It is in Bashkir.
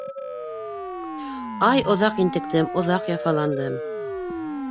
Ай, оҙаҡ интектем, оҙаҡ яфаландым...